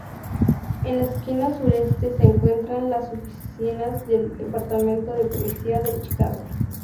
En la esquina sureste se encuentran las oficinas del Departamento de Policía de Chicago.